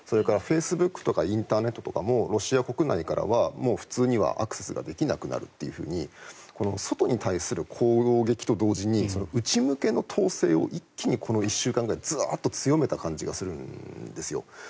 フェイスブックとかインターネットとかもロシア国内からは普通にアクセスができなくなるというふうに外に対する攻撃と同時に内向けの統制を一気にこの１週間ぐらい強めた感じがするんです。